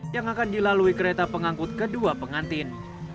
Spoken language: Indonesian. yang akan dilalui kereta pengangkut kedua pengantin